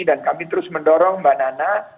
dan kami terus mendorong mbak nana